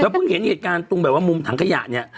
เพิ่งเห็นเหตุการณ์ตรงแบบว่ามุมถังขยะเนี่ย